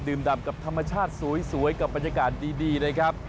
ดำกับธรรมชาติสวยกับบรรยากาศดีนะครับ